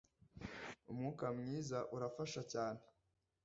Umwuka Mwiza Urafasha Cyane